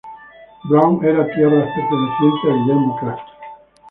Brown eran tierras pertenecientes a Guillermo Kraft.